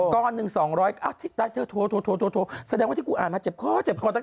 ก้อนหนึ่ง๒ร้อยเขาก็โทรแน่นอนที่ที่อ่านอ่านมาจะเจ็บค่วง